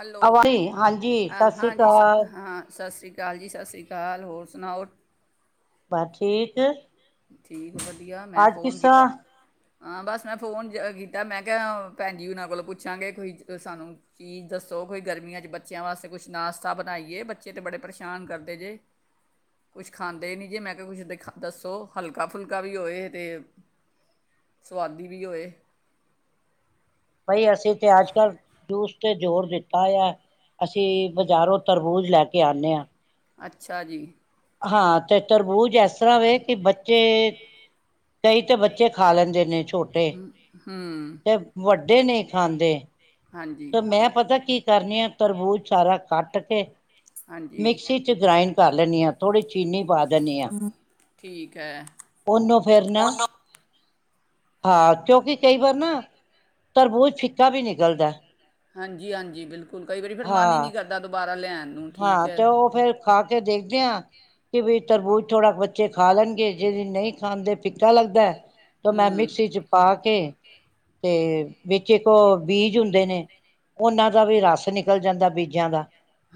Hello. ਆਵਾਜ਼ ਹਾਂਜੀ ਹਾਂ ਸਤਿ ਸ੍ਰੀ ਹਾਂਜੀ ਅਕਾਲ ਹਾਂ ਸਤਿ ਸ਼੍ਰੀ ਅਕਾਲ। ਸਤਿ੍ਰੀ ਅਕਾਲ ਜੀ, ਸਤਿ ਸ਼੍ਰੀ ਅਕਾਲ। ਹੋਰ ਸੁਣਾਓ ਠੀਕ ਠੀਕ ਵਧੀਆ। ਮੈਂ ਅੱਜ ਫ਼ੋਨ ਕਿਸ ਕੀਤਾ ਤਰ੍ਹਾਂ ਹਾਂ ਬਸ ਮੈਂ ਫੋਨ ਜ ਕੀਤਾ, ਮੈਂ ਕਿਹਾ ਭੈਣ ਜੀ ਉਹਨਾਂ ਕੋਲੋਂ ਪੁੱਛਾਂਗੇ। ਕੋਈ ਸਾਨੂੰ ਚੀਜ਼ ਦੱਸੋ ਕੋਈ ਗਰਮੀਆਂ 'ਚ ਬੱਚਿਆਂ ਵਾਸਤੇ ਕੁਛ ਨਾਸ਼ਤਾ ਬਣਾਈਏ, ਬੱਚੇ ਤਾਂ ਬੜੇ ਪਰੇਸ਼ਾਨ ਕਰਦੇ ਜੇ ਕੁਛ ਖਾਂਦੇ ਨਹੀਂ, ਜੇ ਮੈਂ ਕਿਹਾ ਕੁਛ ਦਿਖਾ ਦੱਸੋ। ਹਲਕਾ, ਫੁਲਕਾ ਵੀ ਹੋਏ ਤੇ ਸਆਦੀ ਵੀ ਹੋਏ। ਬਾਈ ਅਸੀ ਤੇ ਅੱਜ, ਕੱਲ੍ਹ ਜੋਸ ਤੇ ਜ਼ੋਰ ਦਿੱਤਾ ਯਾ, ਅਸੀਂ ਬਾਜ਼ਾਰੋਂ ਤਰਬੂਜ਼ ਲੈ ਕੇ ਆਉਂਦੇ ਹਾਂ। ਅੱਛਾ ਜੀ। ਹਾਂ ਤੇ ਤਰਬੂਜ ਇਸ ਤਰ੍ਹਾਂ ਵ ਕਿ ਬੱਚੇ ਕਈ ਤਾਂ ਬੱਚੇ ਖਾ ਲੈਂਦੇ ਨੇ ਛੋਟੇ ਹੂੰ ਤੇ ਵੱਡੇ ਨਹੀਂ ਖਾਂਦੇ ਹਾਂਜੀ ਤੇ ਮੈਂ ਪਤਾ ਕੀ ਕਰਨੀ ਆ ਤਰਬੂਜ ਸਾਰਾ ਕੱਟ ਕੇ ਹਾਂਜੀ ਮਿਕਸੀ ਚ ਗਰਾਇੰਡ ਕਰ ਲੈਣੀ ਆ ਥੋੜੀ ਚਿੰਨੀ ਪਾ ਦਨੀਆ ਠੀਕ ਹੈ। ਉਹਨੂੰ ਫਿਰ ਨਾ ਉਹਨੂੰ ਹਾਂ ਕਿਉਂਕਿ ਕਈ ਵਾਰ ਨਾ ਤਰਬੂਜ਼ ਫਿਕਾ ਵੀ ਨਿਕਲਦਾ ਹਾਂਜੀ, ਹਾਂਜੀ। ਬਿਲਕੁਲ ਕਈ ਵਾਰੀ ਫਿਰ ਮਨ ਹੀ ਹਾਂ ਨਹੀਂ ਕਰਦਾ ਦੁਬਾਰਾ ਲੈਣ ਨੂੰ ਠੀਕ ਹਾਂ ਹੈ ਤੇ ਉਹ ਫੇਰ ਖਾ ਕੇ ਦੇਖਦੇ ਹਾਂ। ਕਿ ਬ ਤਰਬੂਜ ਥੋੜਾ ਬੱਚੇ ਖਾ ਲੈਣਗੇ ਜਿ ਨਹੀਂ ਖਾਂਦੇ ਫਿੱਕਾ ਲੱਗਦਾ ਤੇ ਮੈਂ ਹੂੰ ਮਿਕਸੀ ਚ ਪਾ ਕੇ ਤੇ ਵਿੱਚ ਇੱਕ ਉਹ ਬੀਜ ਹੁੰਦੇ ਨੇ ਦਾ ਵੀ ਰਸ ਨਿਕਲ ਜਾਂਦਾ ਬੀਜਾਂ ਦਾ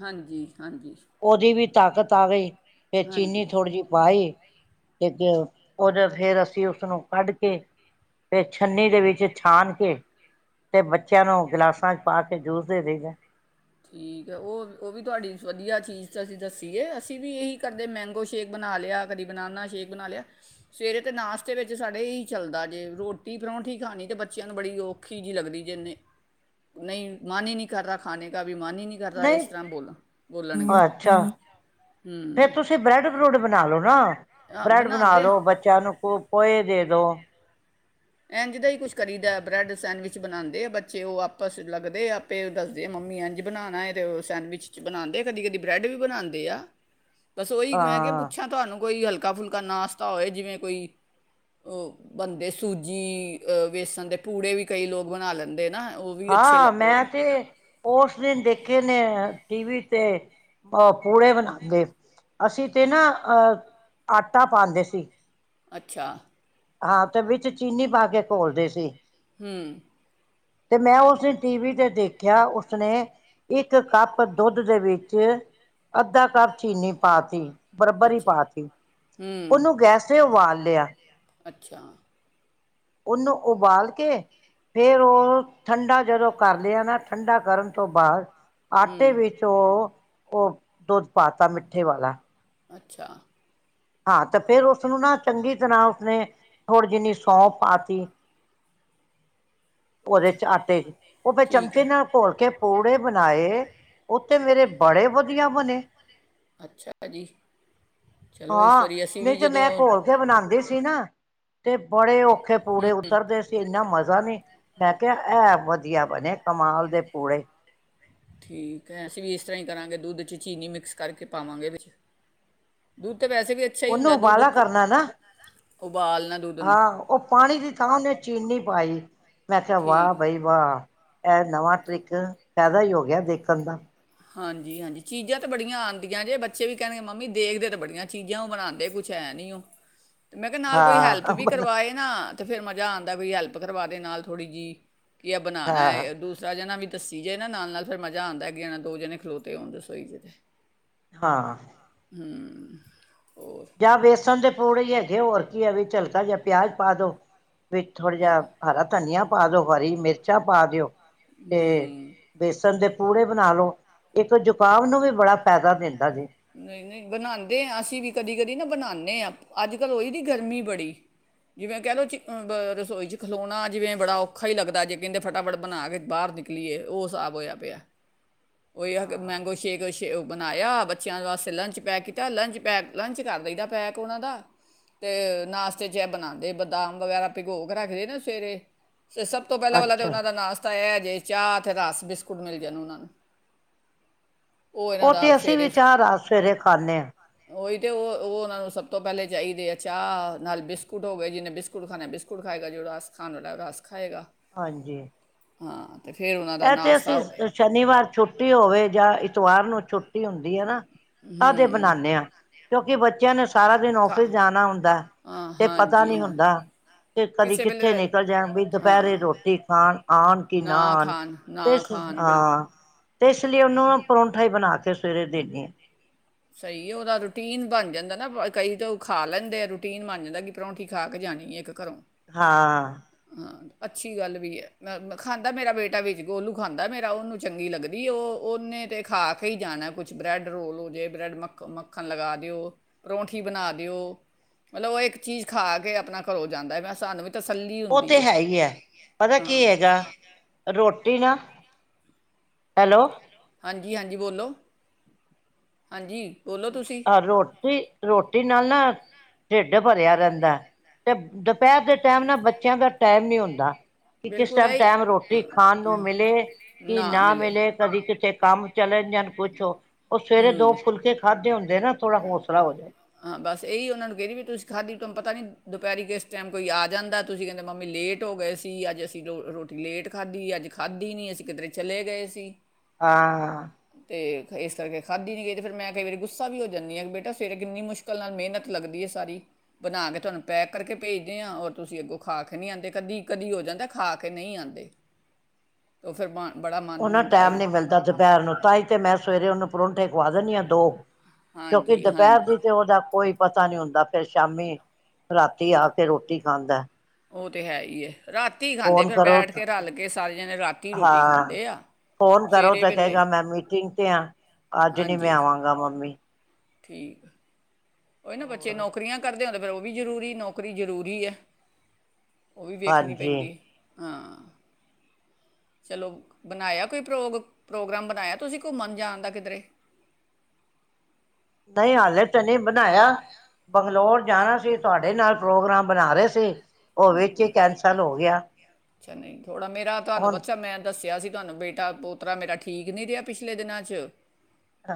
ਹਾਂਜੀ ਹਾਂਜੀ ਉਹਦੀ ਵੀ ਤਾਕਤ ਆ ਗਈ ਫਿਰ ਚਿੰਨੀ ਹਾਂਜੀ ਥੋੜੀ ਜਿਹੀ ਪਾਈ ਤੇ ਦੇ ਫਿਰ ਅਸੀਂ ਉਸਨੂੰ ਕੱਢ ਕੇ ਫਿਰ ਛੰਨੀ ਦੇ ਵਿੱਚ ਛਾਨ ਕੇ ਤੇ ਬੱਚਿਆਂ ਨੂੰ ਗਿਲਾਸਾਂ ਚ ਪਾ ਕੇ ਜੂਸ ਦੇ ਦੇਗਾ ਠੀਕ ਹੈ। ਉਹ ਉਹ ਵੀ ਤੁਹਾਡੀ ਵਧੀਆ ਚੀਜ਼ ਤਾਂ ਅਸੀਂ ਦੱਸੀਏ ਅਸੀਂ ਵੀ ਇਹੀ ਕਰਦੇ ਮੈਂਗੋ ਸ਼ੇਕ ਬਣਾ ਲਿਆ ਕਦੀ ਬਨਾਨਾ ਸ਼ੇਕ ਬਣਾ ਲਿਆ ਸਵੇਰੇ ਤਾਂ ਨਾਸ਼ਤੇ ਵਿੱਚ ਸਾਡੇ ਇਹੀ ਚੱਲਦਾ ਜੇ ਰੋਟੀ ਪਰੌਂਠੀ ਖਾਣੀ ਤਾਂ ਬੱਚਿਆਂ ਨੂੰ ਬੜੀ ਔਖੀ ਜਿਹੀ ਲੱਗਦੀ ਜੇਨੇ ਨਹੀਂ ਮਨ ਹੀ ਨਹੀਂ ਕਰ ਰਿਹਾ ਖਾਣੇ ਕਬੀ ਮਨ ਵੀ ਨਹੀਂ ਅੱਛਾ ਹੂੰ ਫਿਰ ਤੁਸੀਂ ਬਰੈਡ ਬਰੂਡ ਬਣਾ ਲੋ ਨਾ ਅ, ਬਰੈਡ ਬਣਾ ਬਣਾਉਂਦੇ ਦੋ ਬੱਚਿਆਂ ਨੂੰ ਕੋ ਖੋਏ ਦੇ ਦੋ ਇੰਝ ਦਾ ਹੀ ਕੁਛ ਕਰੀਦਾ ਬਰੈਡ ਸੈਂਡਵਿਚ ਬਣਾਉਂਦੇ ਆ ਬੱਚੇ ਉਹ ਆਪਸ ਲੱਗਦੇ ਆਪੇ ਦੱਸਦੇ ਮੰਮੀ ਇੰਝ ਬਣਾਉਣਾ ਹੈ ਤੇ ਸੈਂਡਵਿਚ ' ਬਣਾਉਂਦੇ ਕਦੀ ਕਦੀ ਬਰੈਡ ਵੀ ਬਣਾਉਂਦੇ ਆ ਬਸ ਉਹੀ ਮੈਂ ਕਿਹਾ ਹਾਂ ਪੁੱਛਾਂ ਤੁਹਾਨੂੰ ਕੋਈ ਹਲਕਾ ਹਲਕਾ ਫੁਲਕਾ ਨਾਸ਼ਤਾ ਹੋਏ ਜਿਵੇਂ ਕੋਈ ਉਹ ਬੰਦੇ ਸੂਜੀ ਅ ਵੇਸਣ ਦੇ ਪੂੜੇ ਵੀ ਕਈ ਲੋਕ ਬਣਾ ਲੈਂਦੇ ਨਾ ਉਹ ਵੀ ਅੱਛੇ ਹਾਂ ਲ- ਮੈਂ ਉਹ ਤੇ ਉਸ ਦਿਨ ਦੇਖ ਦੇਖੇ ਨੇ ਟੀਵੀ ਤੇ ਅਹ ਪੂੜੇ ਬਣਾਉਂਦੇ ਅਸੀਂ ਤੇ ਨਾ ਅਹ ਆਟਾ ਪਾਉਂਦੇ ਸੀ ਅੱਛਾ ਹਾਂ ਤੇ ਵਿੱਚ ਚੀਨੀ ਪਾ ਕੇ ਘੋਲਦੇ ਸੀ ਹਮ ਤੇ ਮੈਂ ਉਸਨੇ ਟੀਵੀ ਤੇ ਦੇਖਿਆ ਉਸਨੇ ਇੱਕ ਕੱਪ ਦੁੱਧ ਦੇ ਵਿੱਚ ਅੱਧਾ ਕੱਪ ਚੀਨੀ ਪਾਤੀ ਬਰਾਬਰ ਹੀ ਅੱਛਾ ਪਾਤੀ ਹੂੰ ਉਹਨੂੰ ਗੈਸ ਨੇ ਉਬਾਲ ਲਿਆ ਅੱਛਾ। ਉਹਨੂੰ ਉਬਾਲ ਕੇ, ਫੇਰ ਉਹ ਠੰਡਾ ਜਦੋਂ ਕਰ ਲਿਆ ਨਾ, ਠੰਡਾ ਕਰਨ ਤੋਂ ਬਾਅਦ ਆਟੇ ਹੂੰ ਵਿੱਚ, ਉਹ ਉਹ ਦੁੱਧ ਪਾ ਤਾ, ਮਿੱਠੇ ਵਾਲਾ। ਅੱਛਾ। ਹਾਂ ਤੇ ਫਿਰ ਉਸਨੂੰ ਨਾ, ਚੰਗੀ ਤਰ੍ਹਾਂ ਉਸਨੇ ਥੋੜ੍ਹੀ ਜਿਹੀ ਸੌਂਫ ਪਾਤੀ। ਉਹਦੇ ਅੱਛਾ ਚ ਆਟੇ ਚ, ਉਹ ਫੇ ਠੀਕ ਚਮਚੇ ਹੈ ਨਾਲ ਘੋਲ ਕੇ ਪੂੜੇ ਬਣਾਏ। ਹ ਉੱਥੇ ਮੇਰੇ ਬੜੇ ਵਧੀਆ ਬਣੇ, ਅੱਛਾ ਜੀ ਚਲੋ ਇਸ ਹਾਂ, ਵਾਰੀ ਅਸੀਂ ਨਹੀਂ ਵੀ ਤੇ ਮੈਂ ਜਦੋਂ ਘੋਲ ਕੇ ਬਣਾਉਂਦੀ ਸੀ ਨਾ ਤੇ ਬੜੇ ਔਖੇ ਪੂੜੇ ਉਤਰਦੇ ਸੀ, ਇੰਨਾ ਮਜ਼ਾ ਨਹੀਂ ਮੈਂ ਕਿਹਾ, ਇਹ ਵਧੀਆ ਬਣੇ ਕਮਾਲ ਦੇ ਪੂੜੇ। ਠੀਕ ਹੈ, ਅਸੀਂ ਵੀ ਇਸ ਤਰ੍ਹਾਂ ਹੀ ਕਰਾਂਗੇ, ਦੁੱਧ 'ਚ ਚੀਨੀ ਮਿਕਸ ਕਰਕੇ ਪਾਵਾਂਗੇ। ਵਿੱਚ ਦੁੱਧ ਤਾਂ ਵੈਸੇ ਵੀ ਅੱਛਾ ਹੀ ਉਹਨੂੰ ਹੁੰਦਾ ਦੁੱਧ ਉਬਾਲਾ ਕ- ਕਰਨਾ ਨਾ, ਉਬਾਲਣਾ ਦੁੱਧ ਨੂੰ ਹਾਂ ਉਹ ਪਾਣੀ ਦੀ ਥਾਂ ਉਹਨੇ ਚੀਨੀ ਪਾਈ। [unintelligible] ਮੈਂ ਕਿਹਾ ਵਾਹ, ਠੀਕ ਬਈ ਵਾਹ, ਇਹ ਨਵਾਂ ਟ੍ਰਿਕ ਫੈਦਾ ਹੀ ਹੋ ਗਿਆ, ਦੇਖਣ ਦਾ। ਹਾਂਜੀ -ਹਾਂਜੀ, ਚੀਜ਼ਾਂ ਤੇ ਬੜੀਆਂ ਆਉਂਦੀਆਂ, ਜੇ ਬੱਚੇ ਵੀ ਕਹਿੰਦੇ, ਮੰਮੀ ਦੇਖਦੇ ਤਾਂ ਬੜੀਆਂ ਚੀਜ਼ਾਂ ਉਹ ਬਣਾਉਂਦੇ ਕੁਛ ਹੈ ਨੀ। ਉਹ ਤੇ ਮੈਂ ਕਿਹਾ ਨਾਲ ਕੋਈ ਹੈਲਪ ਵੀ ਹਾਂ ਕਰਵਾਏ ਨਾ, ਤੇ ਫੇਰ ਮਜਾ ਆਉਂਦਾ ਕੋਈ ਹੈਲਪ ਭਰਵਾ ਦੇ ਨਾਲ ਥੋੜ੍ਹੀ ਜਿਹੀ ਕੀ ਇਹ ਬਨਾਨਾ ਹਾਂ ਐ, ਦੂਸਰਾ ਜਨਾ ਵੀ ਤਾਂਸੀ ਜੇ ਨਾ ਨਾਲ ਫ਼ਿਰ ਮਜ਼ਾਉਂਦਾ ਹੈ ਗ ਦਾ [inaudible] ਦੋ ਜਣੇ ਖਲੋਤੇ ਹੋਣ, ਰਸੋਈ ਜਤੇ ਹਾਂ। ਹੂੰ। ਜਾਂ ਵੇਸਣ ਦੇ ਥੋੜੇ ਹੀ ਹੈਗੇ, ਹੋਰ ਕੀ ਹੈ, ਵਿੱਚ ਹਲਕਾ ਜਾਂ ਪਿਆਜ ਪਾ ਦੋ। ਵਿੱਚ ਥੋੜਾ ਜਿਹਾ ਹਰਾ ਧਨੀਆ। ਪਾ ਦੋ, ਹਰੀ ਮਿਰਚਾਂ ਪਾ ਦਿਓ। ਤੇ ਹੂੰ ਬੇਸਣ ਦੇ ਪੂੜੇ ਬਣਾ ਲਓ, ਇੱਕ ਜ਼ੁਕਾਮ ਨੂੰ ਵੀ ਬੜਾ ਫਾਇਦਾ ਦਿੰਦਾ ਜੇ। ਨਹੀਂ, ਨਹੀਂ ਬਨਾਂਦੇ ਹਾਂ, ਹਾਂ ਅਸੀਂ ਵੀ ਕਦੀ ਕਦੀ ਨਾ ਬਣਾਉਦੇ ਹਾਂ। ਅੱਜ -ਕੱਲ੍ਹ ਹੋਈ ਦੀ ਗਰਮੀ ਬੜੀ, ਜਿਵੇਂ ਕਹਿ ਲਓ ਚ ਰਸੋਈ 'ਚ ਖਲੋਣਾ ਜਿਵੇਂ ਬੜਾ ਔਖਾ ਹੀ ਲੱਗਦਾ ਜੇ, ਕਹਿੰਦੇ ਫਟਾਫਟ ਬਣਾ ਕੇ ਬਾਹਰ ਨਿਕਲੀਏ, ਉਹ ਹਿਸਾਬ ਹੋਇਆ ਪਿਆ। ਹੋਇਆ ਕੇ ਹਾਂ ਮੈਂਗੋ ਸ਼ੇਕ [unintelligible] ਉਹ ਬਣਾਇਆ, ਬ ਬੱਚਿਆਂ ਵਾਸਤੇ ਲੰਚ ਪੈਕ ਕੀਤਾ। ਲੰਚ ਪੈਕ ਲੰਚ ਕਰ ਦਈਦਾ ਪੈਕ ਉਹਨਾਂ ਦਾ, ਤੇ ਨਾਸ਼ਤੇ ਚ ਇਹ ਬਣਾਦੇ, ਬਦਾਮ ਵਗੈਰਾ ਭਿਗੋ ਕੇ ਰੱਖਦੇ ਨਾ ਸਵੇਰੇ। ਸਭ ਤੋਂ ਪਹਿਲਾਂ ਵਾਲਾ ਤੇ, ਅੱਛਾ ਉਹਨਾਂ ਦਾ ਨਾਸਤਾ ਇਹ ਜੇ ਚਾਹ, ਅਤੇ ਦਸ ਬਿਸਕੁਟ ਮਿਲ ਜਾਣ, ਉਹਨਾਂ ਨੂੰ। ਉਹ ਇਹਨਾਂ ਦਾ ਸਵੇਰੇ ਰਸ ਸਵੇਰੇ ਖਾਂਨੇ ਆ। ਉਹੀ ਤੇ ਉਹ ਉਹਨਾਂ ਨੂੰ ਸਭ ਤੋਂ ਪਹਿਲੇ ਚਾਹੀਦੇ ਆ ਚਾਹ ਨਾਲ ਬਿਸਕੁਟ ਹੋ ਗਏ ਜਿਹਨੇ ਬਿਸਕੁਟ ਖਾਣਾ ਬਿਸਕੁਟ ਖਾਏਗਾ, ਜੋ ਰਸ ਖਾਣ ਵਾਲਾ ਰਸ ਖਾਏਗਾ। ਹਾਂਜੀ। ਹਾਂ। ਤੇ ਫਿਰ ਉਹਨਾਂ ਦਾ ਇਥੇ ਨਾਸ਼ਤਾ ਅਸੀਂ ਉਹ- ਸ਼ਨੀਵਾਰ ਛੁੱਟੀ ਹੋਵੇ ਜਾਂ ਇਤਵਾਰ ਨੂੰ ਛੁੱਟ ਹੁੰਦੀ ਆ ਨਾ, ਤਦ ਇਹ ਬਣਾਨੇ ਆ। ਕਿਉਂਕਿ ਬੱਚਿਆਂ ਨੇ ਸਾਰਾ ਦਿਨ ਆਫਿਸ ਘਾ- ਜਾਣਾ ਹੁੰਦਾ ਹਾਂ ਤੇ, ਪਤਾ ਹਾਂਜੀ ਨਹੀਂ ਹਾਂ ਹੁੰਦਾ, ਕਿ ਕਦੀ ਕਿਸੇ ਕਿੱਥੇ ਵੇਲੇ ਨਿਕਲ ਜਾ ਵੀ ਦੁਪਹਿਰੇ ਹਾਂ ਰੋਟੀ ਖਾਣ ਆਣ ਕਿ ਨਾ ਆਣ। ਖਾਣ ਤੇ ਨਾ ਖਾਣ ਬਿਲਕੁਲ ਹਾਂ ਤੇ ਇਸ ਲਈ ਉਹਨੂੰ ਪਰੌਂਠਾ ਬਣਾ ਕੇ ਸਵੇਰੇ ਦੇਨੀ ਆ। ਸਹੀ ਹੈ ਉਹਦਾ ਰੂਟੀਨ ਬਣ ਜਾਂਦਾ ਨਾ। ਕਈ ਤਾਂ ਉਹ ਖਾ ਲੈਂਦੇ ਆ ਰੂਟੀਨ ਬਣ ਜਾਂਦਾ ਕਿ ਪਰੌਂਠੀ ਖਾ ਕੇ ਜਾਣੀ ਇੱਕ ਘਰੋਂ। ਹਾਂ। ਹਾਂ, ਅੱਛੀ ਗੱਲ ਵੀ ਹੈ। ਮੈਂ ਖਾਂਦਾ ਮੇਰਾ ਬੇਟਾ ਵਿੱਚ ਗੋਲੂ ਖਾਂਦਾ ਮੇਰਾ ਉਹਨੂੰ ਚੰਗੀ ਲੱਗਦੀ ਏ ਉਹ ਉਹਨੇ ਤਾਂ ਖਾ ਕੇ ਹੀ ਜਾਣਾ ਕੁਛ ਬਰੈਡ ਰੋਲ ਹੋਗੇ ਬ੍ਰੈਡ ਮੱਖ ਮੱਖਣ ਲਗਾ ਦਿਓ, ਪਰੌਂਠੀ ਬਣਾ ਦਿਓ, ਮਤਲਬ ਉਹ ਇੱਕ ਚੀਜ਼ ਖਾ ਕੇ ਆਪਣਾ ਘਰੋਂ ਜਾਂਦਾ ਹੈਗਾ ਸਾਨੂੰ ਵੀ ਤਸੱਲੀ ਉਹ ਹੁੰਦੀ ਤੇ ਹੈ ਹੀ ਐ ਪਤਾ ਹਾਂ ਕੀ ਹੈਗਾ ਰੋ ਟੀ ਨਾ ਹੈਲੋ। ਹਾਂਜੀ-ਹਾਂਜੀ ਬੋਲੋ, ਹਾਂਜੀ। ਬੋਲੋ ਤੁਸੀਂ ਰੋਟੀ ਰੋਟੀ ਨਾਲ ਨਾ ਢਿੱਡ ਭਰਿਆ ਰਹਿੰਦਾ ਤੇ ਦੁਪਹਿਰ ਦੇ ਟਾਈਮ ਨਾਲ ਬੱਚਿਆਂ ਦਾ ਟਾਈਮ ਨਹੀਂ ਹੁੰਦਾ। ਕਿ ਕਿਸ ਬਿਲਕੁਲ ਟਾਈਮ ਇਹ ਟਾਈਮ ਹੀ- ਰੋਟੀ ਹਾਂ, ਖਾਣ ਨੂੰ ਹਾਂ, ਮਿਲੇ, ਕਿ ਨਾ ਮਿਲੇ ਕਦੀ ਕਿਤੇ ਕੰਮ ਚਲੇ ਜਾਣ ਕੁਛ ਉਹ ਸਵੇਰੇ ਦੋ ਹੂੰ ਫੁਲਕੇ ਹੁੰਦੇ ਨਾ ਥੋੜਾ ਹੌਸਲਾ ਹੋ ਜਾਏ ਹਾਂ ਬਸ ਇਹੀ ਉਹਨਾਂ ਨੂੰ ਕਹਿਦੀ ਵੀ ਤੁਸੀਂ ਖਾਧੀ ਤੁਹਾਨੂੰ ਪਤਾ ਨਹੀਂ ਦੁਪਹਿਰੀ ਕਿਸ ਟਾਈਮ ਕੋਈ ਆ ਜਾਂਦਾ ਤੁਸੀਂ ਕਹਿੰਦੇ ਮੰਮੀ ਲੇਟ ਹੋ ਗਏ ਸੀ ਅੱਜ ਅਸੀਂ ਰੋਟੀ ਲੇਟ ਖਾਧੀ, ਅੱਜ ਖਾਧੀ ਨੀ ਅਸੀਂ ਕਿਧਰੇ ਚਲੇ ਗਏ ਸੀ। ਹਾਂ ਤੇ ਇਸ ਕਰਕੇ ਖਾਧੀ ਨ ਗਈ ਤੇ ਫਿਰ ਮੈਂ ਕਈ ਵਾਰੀ ਗੁੱਸਾ ਵੀ ਹੋ ਜਾਨੀ ਆ ਵਿਬਬੇਟਾ ਸਵੇਰੇ ਕਿੰਨੀ ਮੁਸ਼ਕਲ ਨਾਲ ਮਿਹਨਤ ਲੱਗਦੀ ਹੈ ਸਾਰੀ, ਬਣਾ ਕੇ ਤੁਹਾਨੂੰ ਪੈਕ ਕਰਕੇ ਭੇਜਦੇ ਹਾਂ ਔਰ ਤੁਸੀਂ ਅੱਗੋਂ ਖਾ ਕੇ ਨਹੀਂ ਆਉਂਦੇ ਕਦੀ-ਕਦੀ ਹੋ ਜਾਂਦਾ ਖਾ ਕੇ ਨਹੀਂ ਆਦੇ। ਉਹ ਫਿਰ ਬਣ ਉਹਨਾ ਟਾਈਮ ਨੀ ਮਿਲਦਾ ਦੁਪਹਿਰ ਨੂੰ ਤਾਂ ਹੀ ਤੇ ਮੈਂ ਸਵੇਰੇ ਉਹਨੂੰ ਪਰੌਂ ਠੇ ਖਵਾ ਦਿੰਨੀ ਆ ਦੋ। ਕਿਉਂਕਿ ਹਾਂਜੀ ਦੁਪਹਿਰ ਹਾਂਜੀ ਦੀ ਤੇ ਉਹਦਾ ਕੋਈ ਪਤਾ ਨੀ ਹੁੰਦਾ ਫੇਰ ਸ਼ਾਮੀ, ਰਾਤੀ ਆ ਕੇ ਰੋਟੀ ਖਾਂਦਾ। ਉਹ ਤਾਂ ਹੈ ਹੀ ਹੈ। ਰਾਤੀ ਖਾਂਦੇ ਫੋਨ ਫਿਰ ਕਰੋ ਬੈਠ ਕੇ ਰਲ ਕੇ ਸਾਰੇ ਜਣੇ ਰਾਤੀ ਰੋਟੀ ਹਾਂ ਖਾਂਦੇ ਆ ਫੋਨ ਕਰੋ ਸਵੇਰੇ ਤੇ ਵੇਲੇ ਕਹਿਗਾ ਮੈਂ ਮੀਟਿੰਗ ਤੇ ਆ ਅੱਜ ਨੀ ਮੈਂ ਹਾਂਜੀ ਆਵਾਂਗਾ ਮੰਮੀ ਠੀਕ ਉਹ ਨਾ ਬੱਚੇ ਹੋਰ ਨੌਕਰੀਆਂ ਕਰਦੇ ਹੁੰਦੇ ਫਿਰ ਉਹ ਵੀ ਜ਼ਰੂਰੀ ਨੌਕਰੀ ਜ਼ਰੂਰੀ ਹੈ ਉਹ ਵੀ ਵੇਖਣੀ ਹਾਂਜੀ ਪੈਂਦੀ ਹਾਂ ਚਲੋ ਬਣਾਇਆ ਕੋਈ ਪ੍ਰ ਪ੍ਰੋਗਰਾਮ ਬਣਾਇਆ ਤੁਸੀਂ ਘੁੰਮਣ ਜਾਣ ਦਾ ਕਿਧਰੇ ਨਹੀਂ ਹਾਲੇ ਤੇ ਨਹੀਂ ਬਣਾਇਆ ਬੰਗਲੋੌਰ ਜਾਣਾ ਸੀ ਤੁਹਾਡੇ ਨਾਲ ਪ੍ਰੋਗਰਾਮ ਬਣਾ ਰਹੇ ਸੀ ਉਹ ਵਿੱਚ ਹੀ ਕੈਂਸਲ ਹੋ ਗਿਆ ਅੱਛਾ ਨਹੀਂ ਥੋੜਾ ਮੇਰਾ ਤੁਹਾਨੂੰ ਹੁਣ ਬੱਚਾ ਮੈਂ ਦੱਸਿਆ ਸੀ ਤੁਹਾਨੂੰ ਬੇਟਾ ਪੋਤਰਾ ਮੇਰਾ ਠੀਕ ਨੀ ਰਿਹਾ ਪਿਛਲੇ ਦਿਨਾਂ ਚ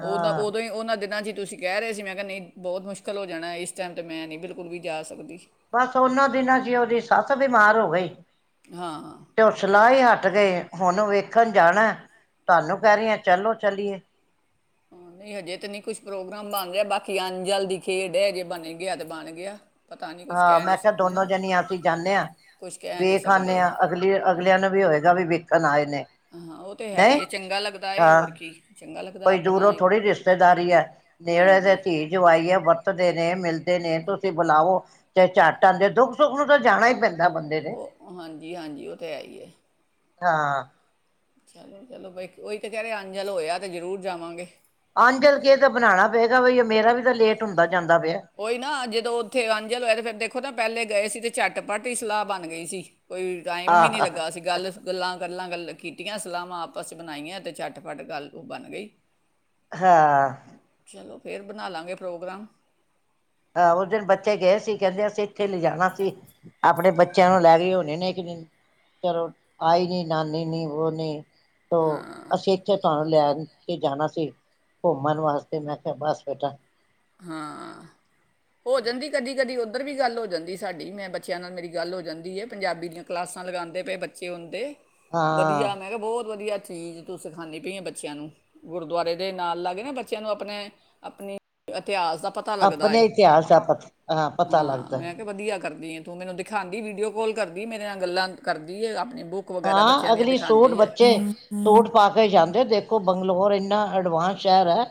ਉਹਦਾ ਉਦੋਂ ਹੀ ਉਹਨਾਂ ਦਿਨਾਂ ਚ ਤੁਸੀਂ ਕਹਿ ਰਹੇ ਸੀ ਮੈਂ ਕਿਹਾ ਨਹੀਂ ਬਹੁਤ ਮੁਸ਼ਕਿਲ ਹੋ ਜਾਣਾ ਇਸ ਟਾਈਮ ਤੇ ਮੈਂ ਨੀ ਬਿਲਕੁਲ ਵੀ ਜਾ ਸਕਦੀ ਬਸ ਉਹਨਾਂ ਦਿਨਾਂ ਸੀ ਉਹਦੀ ਸੱਸ ਬਿਮਾਰ ਹੋ ਗਈ ਹਾਂ [unintelligible] ਕੱਟ ਗਏ ਹੁਣ ਵੇਖਣ ਜਾਣਾ ਤੁਹਾਨੂੰ ਕਹਿ ਰਹੀ ਆ ਚਲੋ ਚਲੀਏ ਹੂੰ ਨਹੀਂ ਹਜੇ ਤੇ ਨਹੀਂ ਕੁਛ ਪ੍ਰੋਗਰਾਮ ਬਣ ਰਿਹਾ ਬਾਕੀ ਅਨ ਜਲ ਦੀ ਖੇਡ ਜੇ ਬਣ ਗਿਆ ਤੇ ਬਣ ਗਿਆ ਪਤਾ ਨਹੀਂ ਕੁਛ ਹਾਂ ਕਹਿ ਮੈਂ ਨਹੀਂ ਸ- ਕਿਹਾ ਦੋਨੋ ਹਨਾ ਜਨੀਆਂ ਅਸੀਂ ਜਾਂਦੇ ਹਾਂ ਕੁਛ ਕਹਿ ਨਹੀਂ ਵੇਖ ਆਣੇ ਸਕਦੇ ਹਾਂ ਅਗਲੀ ਅਗਲਿਆਂ ਨੂੰ ਵੀ ਹੋਏਗਾ ਵੀ ਵੇਖ ਪਹਿਲਾਂ ਆਏ ਨੇ ਹਾਂ ਉਹ ਤੇ ਹੈ ਨਹੀਂ ਹੀ ਆ ਚੰਗਾ ਲੱਗਦਾ ਹਾਂ ਹੋਰ ਕੀ ਚੰਗਾ ਲੱਗਦਾ ਕੋਈ ਆਪਣਾ ਦੂਰੋਂ ਹੀ। ਥੋੜ੍ਹੀ ਰਿਸ਼ਤੇਦਾਰੀ ਹੈ ਨੇੜੇ ਤੇ ਹਾਂਜੀ ਧੀ ਜਵਾਈ ਹੈ ਉੱਦੇ ਨੇ ਮਿਲਦੇ ਨੇ ਤੁਸੀਂ ਬੁਲਾਵੋ ਚਾਹੇ ਚੱਟ ਆਂਦੇ ਦੁੱਖ ਸੁੱਖ ਨੂੰ ਤਾਂ ਜਾਣਾ ਹੀ ਪੈਂਦਾ ਬੰਦੇ ਨੇ ਉਹ ਹਾਂਜੀ ਹਾਂਜੀ ਉਹ ਤੇ ਹੈ ਹੀ। ਹਾਂ। ਚਲੋ ਚਲੋ ਬ ਉਹੀ ਤਾਂ ਕਹਿ ਰਹੇ ਅਣ ਜਲ ਹੋਇਆ ਤੇ ਜ਼ਰੂਰ ਜਾਵਾਂਗੇ। ਅਨਜਲ ਕਿਸੇ ਦਾ ਤਾਂ ਬਣਾਣਾ ਪਏਗਾ ਬਈ ਮੇਰਾ ਵੀ ਤਾਂ ਲੇਟ ਹੁੰਦਾ। ਜਾਂਦਾ ਪਿਆ ਉਹੀ ਨਾ ਜਦੋਂ ਉੱਥੇ ਅਣ ਜਲ ਹੋਇਆ ਤੇ ਫੇਰ ਦੇਖੋ ਨਾ ਪਹਿਲੇ ਗਏ ਸੀ ਤੇ ਝਟਪੱਟ ਹੀ ਸਲਾਹ ਬਣ ਗਈ ਸੀ। ਕੋਈ ਟਾਈਮ ਵੀ ਨੀ ਆਹ ਲੱਗਾ ਸੀ ਗੱਲ ਗੱਲਾਂ ਗੱਲਾਂ ਕੀਤੀਆਂ ਸਲਾਹਾਂ ਆਪਸ ਚ ਬਣਾਈਆਂ ਤੇ ਝੱਟ ਫੱਟ ਗੱਲ ਉਹ ਬਣ ਗਈ। ਹਾਂ। ਚਲੋ ਫਿਰ ਬਣਾ ਲਾਂਗੇ ਪ੍ਰੋਗਰਾਮ। ਆਹ ਉਸ ਦਿਨ ਬੱਚੇ ਗਏ ਸੀ ਕਹਿੰਦੇ ਅਸੀਂ ਇੱਥੇ ਲਿਜਾਣਾ ਸੀ ਆਪਣੇ ਬੱਚਿਆਂ ਨੂੰ ਲੈਗੇ ਹੋਣੇ ਨੇ ਕਿਉਂਕਿ ਚਲੋ ਆਈ ਨੀ ਨਾਨੀ ਨੀ ਬੋ ਨੀ ਤੋਂ ਅਸੀਂ ਇੱਥੇ ਤੁਹਾਨੂੰ ਲੈ ਕੇ ਜਾਣਾ ਸੀ ਘੁੰਮਣ ਵਾਸਤੇ ਮੈਂ ਕਿਹਾ ਬੱਸ ਬੇਟਾ। ਹਾਂ। ਹੋ ਜਾਂਦੀ ਕਦੀ ਕਦੀ ਉਦਰ ਉੱਧਰ ਵੀ ਗੱਲ ਹੋ ਜਾਂਦੀ ਸਾਡੀ ਮੈਂ ਬੱਚਿਆਂ ਨਾਲ ਮੇਰੀ ਗੱਲ ਹੋ ਜਾਂਦੀ ਹੈ ਪੰਜਾਬੀ ਦੀਆਂ ਕਲਾਸਾਂ ਲਗਾਦੇ ਪਏ ਬੱਚੇ ਹੁਣ ਤੇ। ਹਾਂ ਵਧੀਆ ਮੈਂ ਕਿਹਾ ਬਹੁਤ ਵਧੀਆ। ਚੀਜ਼ ਤੂੰ ਸਿਖਾਦੀ ਪਈ ਹੈ ਬੱਚਿਆਂ ਨੂੰ ਗੁਰਦੁਆਰੇ ਦੇ ਨਾਲ ਲੱਗੇ ਨਾ ਬੱਚਿਆਂ ਨੂੰ ਆਪਣੇ ਆਪਣੀ ਅੱਛਾ। ਇਤਿਹਾਸ ਦਾ ਪਤਾ ਲੱਗਦਾ ਆਪਣੇ ਇਤਿਹਾਸ ਦਾ ਪਤ ਪਤਾ ਹਾਂ ਲੱਗਦਾ ਮੈਂ ਕੇ ਵਧੀਆ ਕਰਨੀ ਆ। ਤੂੰ ਮੈਨੂੰ ਦਿਖਾਦੀ ਵੀਡੀਓ ਕੋਲ ਕਰਦੀ ਮੇਰੇ ਨਾਲ ਗੱਲਾਂ ਕਰਦੀ ਹੈ ਆਪ ਹਾਂ ਅਗਲੀ ਸੂਟ ਬੱਚੇ ਸੂਟ ਪਾ ਕੇ ਜਾਂਦੇ ਦੇਖੋ ਬੰਗਲੋਰ ਇੰਨਾ ਐਡਵਾਂਸ ਸਹਿਰ ਐ।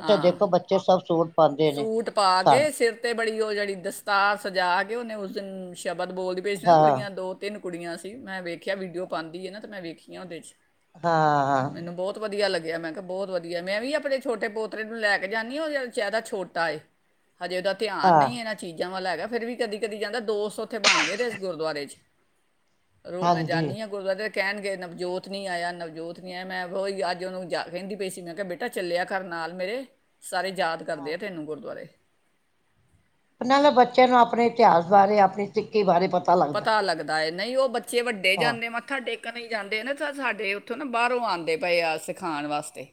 ਹਾਂ ਨੇ ਸੂਟ ਪਾ ਸਾ ਕੇ ਸਿਰ ਤੇ ਬੜੀ ਉਹ ਜਿਹੜੀ ਦਸਤਾਰ ਸਜਾ ਕੇ ਉਹਨੇ ਉਸ [unintelligible] ਸ਼ਬਦ ਬੋਲਦੀ ਪਈ ਸੀ ਨਾ ਹਾਂ ਕੁੜੀਆਂ ਦੋ ਤਿੰਨ ਕੁੜੀਆਂ ਸੀ ਮੈਂ ਵੇਖਿਆ ਵੀਡੀਓ ਪਾਦੀ ਹੈ ਨਾ ਅਤੇ ਮੈਂ ਵੇਖੀਆਂ ਉਹਦੇ 'ਚ ਹਾਂ ਮੈਨੂੰ ਬਹੁਤ ਵਧੀਆ ਲੱਗ ਮੈਂ ਕਿਹਾ ਬਹੁਤ ਵਧੀਆ ਮੈਂ ਵੀ ਆਪਣੇ ਛੋਟੇ ਪੋਤ ਨੂੰ ਲੈ ਕੇ ਜਾਂਦੀ ਆ ਉਹ ਜ਼ਾਦਾ ਛੋਟਾ ਏ। ਹਜੇ ਉਹਦਾ ਧਿਆਨ ਹਾਂ ਨਹੀਂ ਇਹਨਾਂ ਚੀਜ਼ਾਂ ਹੈਗਾ ਫ਼ਿਰ ਵੀ ਕਦੀ ਕਦੀ ਜਾਂਦਾ ਦੋਸਤ ਉੱਥੇ ਬਣ ਗਏ ਤੇ ਇਸ ਗੁਰਦੁਆਰੇ ਚ ਰੋ ਕੇ ਹਾਂਜੀ ਜਾਨੀ ਆ ਗੁਰਦੁਆਰੇ ਕਹਿਣਗੇ ਨਵਜੋਤ ਨੀ ਆਇਆ ਨਵਜੋਤ ਨੀ ਆਇਆ ਮੈਂ ਉਹੀ ਅੱਜ ਉਹਨੂੰ ਜਾ ਕਹਿੰਦੀ ਪਈ ਸੀ ਮੈਂ ਕਿਹਾ ਬੇਟਾ ਚੱਲਿਆ ਕਰ ਨਾਲ ਮੇਰੇ, ਸਾਰੇ ਯਾਦ ਹਾਂ ਕਰਦੇ ਆ ਤੈਨੂੰ ਗੁਰਦੁਆਰੇ। ਨਾਲ ਬੱਚਿਆਂ ਨੂੰ ਆਪਣੇ ਇਤਿਹਾਸ ਬਾਰੇ ਆਪਣੀ ਪਤਾ ਲੱਗਦਾ ਐ ਨਹੀਂ ਉਹ ਬੱਚੇ ਵੱਡੇ ਹਾਂ ਜਾਂਦੇ ਮੱਥਾ ਟੇਕ ਨ ਜਾਂਦੇ ਨਾ ਤਾਂ ਸਾਡੇ ਉੱਥੋਂ ਨਾ ਬਾਹਰੋਂ ਆਦੇ ਪਏ ਆ ਸਿਖਾਣ ਵਾਸਤੇ।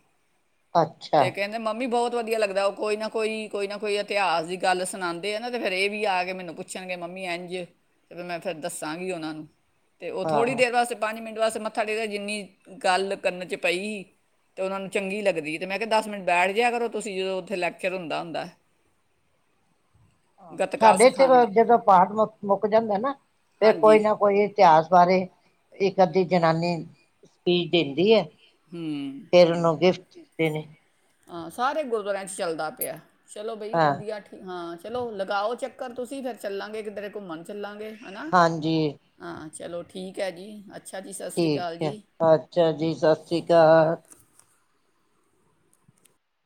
ਅੱਛਾ ਤੇ ਕਹਿੰਦੇ ਮੰਮੀ ਬਹੁਤ ਬਹੁਤ ਵਧੀਆ ਲੱਗਦਾ ਉਹ ਕੋਈ ਨਾ ਕੋਈ'ਕੋਈ ਨਾ ਕੋਈ ਇਤਿਹਾਸ ਦੀ ਗੱਲ ਸੁਣਾਦੇ ਆ ਨਾ ਤੇ ਫਰ ਇਹ ਵੀ ਆ ਕੇ ਮੈਨੂੰ ਪੁੱਛਣਗੇ ਮੰਮੀ ਇੰਝ ਤੇ ਮੈਂ ਫਿਰ ਦੱਸਾਂਗੀ ਉਹਨਾ ਨੂੰ। ਤੇ ਉਹ ਥੋੜ੍ਹੀ ਹਾਂ ਦੇਰ ਵਾਸ ਪੰਜ ਮਿੰਟ ਬਸ ਮੱਥਾ ਟੇਕ ਕੇ ਜਿੰਨੀ ਗੱਲ ਕੰਨ ਚ ਪਈ ਤੇ ਉਹਨਾ ਨੂੰ ਚੰਗੀ ਲੱਗਦੀ ਹੈ। ਤੇ ਮੈਂ ਕਿਹਾ ਦਸ ਮਿੰਟ ਬੈਠ ਜਿਆ ਕਰੋ ਤੁਸੀਂ ਜਦੋਂ ਉਥੇ ਲੈਕਚਰ ਹੁੰਦਾ ਹੁੰਦਾ। ਗਤਕਾ ਸਾਡੇ ਇਥੇ ਸਿਖਾਉਂਦੇ ਜਦੋਂ-ਜਦੋਂ ਪਾਠ ਮੁਕ ਮੁੱਕ ਜਾਂਦਾ ਨਾ ਫੇਰ ਹਾਂਜੀ ਕੋਈ ਨਾ ਕੋਈ ਇਤਿਹਾਸ ਬਾਰੇ ਇੱਕ ਕਦੀ ਜਨਾਨੀ ਸਪੀਚ ਦਿੰਦੀ ਹੈ। ਹੂੰ ਫਿਰ ਉਹਨੂੰ ਗਿਫਟ ਕੀਤੇ ਨੇ। ਹਾਂ, ਸਾਰੇ ਗੁਰਦੁਆਰਿਆਂ ਚ ਚੱਲਦਾ ਪਿਆ। ਚਲੋ ਬਈ ਹਾਂ ਵਧੀਆ ਠੀ ਹਾਂ। ਚਲੋ ਲਗਾਓ ਚੱਕਰ ਤੁਸੀਂ ਫਿਰ ਚੱਲਾਂਗੇ ਕਿੱਧਰੇ ਘੁੰਮਣ ਚੱਲਾਂਗੇ। ਹਨਾ ਹਾਂਜੀ। ਹਾਂ ਚਲੋ ਠੀਕ ਹੈ ਜੀ ਅੱ ਠੀਕ ਹੈ, ਅੱਛਾ ਜੀ ਸਸ ਰੀ ਕਾਲ।